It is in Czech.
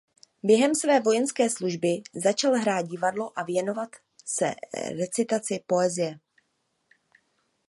Během své vojenské služby začal hrát divadlo a věnovat se recitaci poezie.